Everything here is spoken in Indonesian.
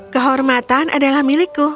kehormatan adalah milikku